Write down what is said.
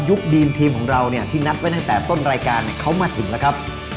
คดีมทีมของเราเนี่ยที่นัดไว้ตั้งแต่ต้นรายการเขามาถึงแล้วครับ